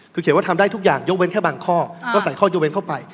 คือเขียนว่าทำได้ทุกอย่างยกเว้นแค่บางข้อก็ใส่ข้อยกเว้นเข้าไป